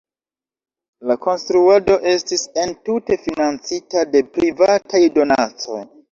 La konstruado estis entute financita de privataj donacoj.